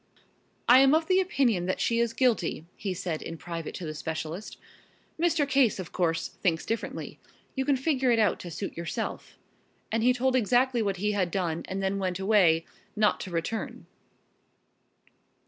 "I am of the opinion that she is guilty," he said in private to the specialist. "Mr. Case, of course, thinks differently. You can figure it out to suit yourself," and he told exactly what he had done and then went away, not to return.